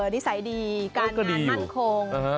นิสัยดีการงานมั่นคง